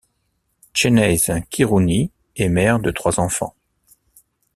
Chaynesse Khirouni est mère de trois enfants.